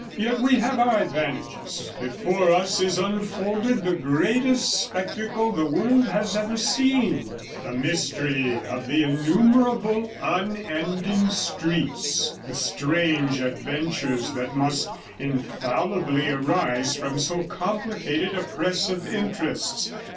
Yet we have our advantages: before us is unfolded the greatest spectacle the world has ever seen — the 94 mystery of the innumerable, unending streets, the strange adventures that must infallibly arise from so complicated a press of interests.